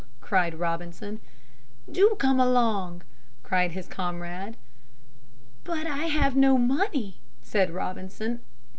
cried Robinson. "Do come along," cried his comrade. "But I have no money," said Robinson.